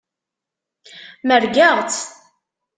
Merrgeɣ-tt.